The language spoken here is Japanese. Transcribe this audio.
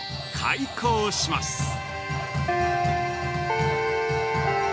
開校します。